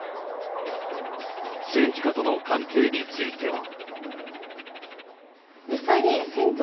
政治家との関係については。